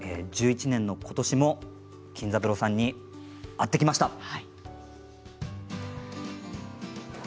１１年のことしも金三郎さんに会ってきました。